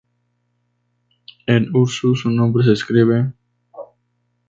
En urdú su nombre se escribe محمد طاہر القادری.